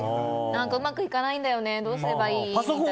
うまくいかないんだよねどうすればいい？とか。